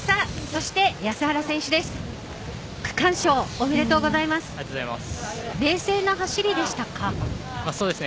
そして、安原選手です。